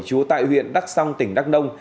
chú tại huyện đắk song tỉnh đắk đông